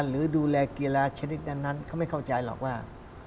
หรือดูแลกีฬาชนิดนั้นเขาไม่เข้าใจหรอกว่า